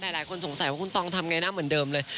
หลายคนสงสัยว่าคุณตองทำไงหน้าเหมือนเดิมเลย